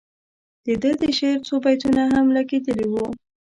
د ده د شعر څو بیتونه هم لګیدلي وو.